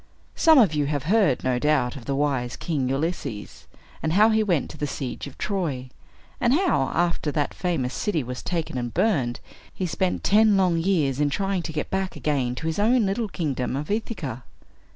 Some of you have heard, no doubt, of the wise King Ulysses, and how he went to the siege of Troy, and how, after that famous city was taken and burned, he spent ten long years in trying to get back again to his own little kingdom of Ithaca.